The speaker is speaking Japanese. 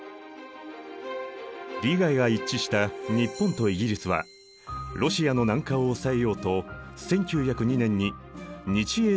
利害が一致した日本とイギリスはロシアの南下を抑えようと１９０２年に日英同盟を結んだ。